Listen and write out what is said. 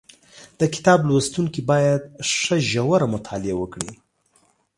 د کتاب لوستونکي باید ښه ژوره مطالعه وکړي